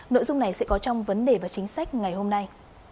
nội dung này sẽ có trong vấn đề và chính sách ngày hôm nay